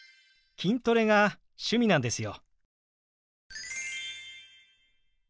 筋トレが趣味なんですよ。